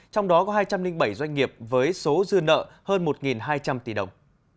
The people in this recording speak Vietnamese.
trong đó có hai trăm linh bảy doanh nghiệp với số dư nợ hơn một hai trăm linh tỷ đồng